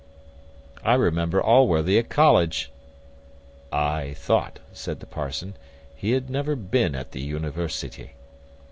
I remember Allworthy at college." "I thought," said the parson, "he had never been at the university."